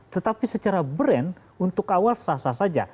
tetapi secara brand untuk awal sah sah saja